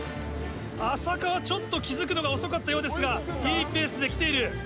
安積はちょっと気付くのが遅かったようですがいいペースで来ている。